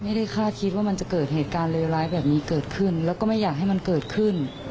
ไม่ได้คาดคิดว่ามันจะเกิดเหตุการณ์เลวร้ายแบบนี้เกิดขึ้นแล้วก็ไม่อยากให้มันเกิดขึ้น